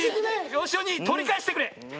よしお兄とりかえしてくれ。